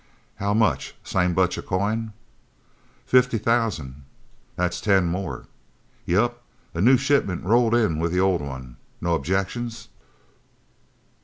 "How much? Same bunch of coin?" "Fifty thousand!" "That's ten more." "Yep. A new shipment rolled in with the old one. No objections?"